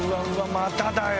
まただよ！